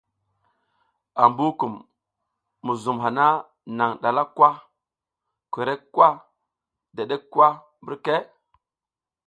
Ambukum, muzum hana nang ɗalak kwa, korek kwa dedek kwa mbirka ?